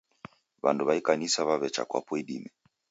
W'andu wa ikanisa wawe'cha kwapo idime